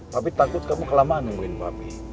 tapi takut kamu kelamaan nungguin pami